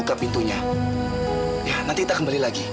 kamu nunggu lagi